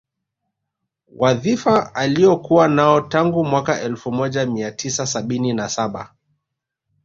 Wadhifa Aliokuwa nao tangu mwaka elfu moja mia tisa sabini na saba